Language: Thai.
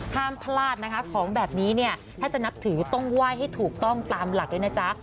ห้ามพลาดนะคะของแบบนี้เนี่ยถ้าจะนับถือต้องไหว้ให้ถูกต้องตามหลักด้วยนะจ๊ะ